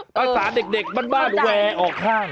ภาษาเด็กบ้านแวร์ออกข้าง